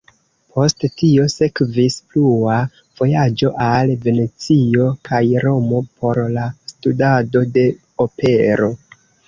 Post tio sekvis plua vojaĝo al Venecio kaj Romo por la studado de opero.